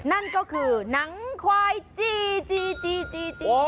นั่นก็คือหนังควายจี้